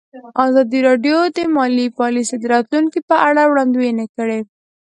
ازادي راډیو د مالي پالیسي د راتلونکې په اړه وړاندوینې کړې.